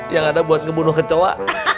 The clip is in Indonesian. yang ada buat ngebunuh kecoa